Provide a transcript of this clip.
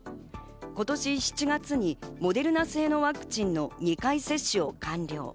今年７月にモデルナ製のワクチンの２回接種を完了。